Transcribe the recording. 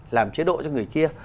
làm chế độ cho người kia